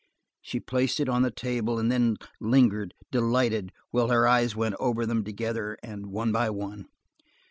She placed it on the table, and then lingered, delighted, while her eyes went over them together and one by one.